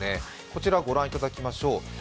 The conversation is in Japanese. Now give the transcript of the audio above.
こちらご覧いただきましょう。